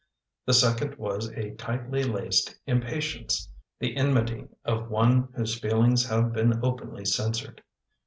The second was a tightly laced impatience — the enmity of one whose feelings have been openly censored.